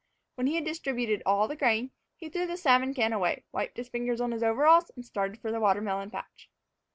When he had distributed all the grain, he threw the salmon can away, wiped his fingers on his overalls, and started for the watermelon patch.